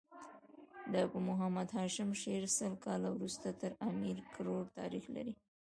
د ابو محمد هاشم شعر سل کاله وروسته تر امیر کروړ تاريخ لري.